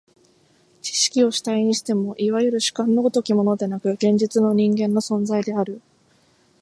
知識の主体にしても、いわゆる主観の如きものでなく、現実の人間の存在である。